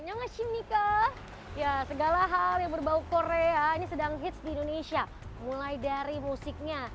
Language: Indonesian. nyongashimika ya segala hal yang berbau korea ini sedang hits di indonesia mulai dari musiknya